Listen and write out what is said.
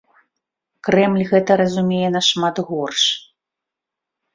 Крэмль гэта разумее нашмат горш.